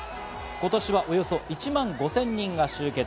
今年はおよそ１万５０００人が集結。